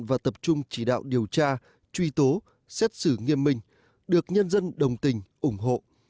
và tập trung chỉ đạo điều tra truy tố xét xử nghiêm minh được nhân dân đồng tình ủng hộ